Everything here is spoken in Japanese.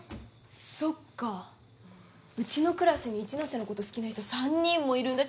そっかうちのクラスに一ノ瀬のこと好きな人３人もいるんだ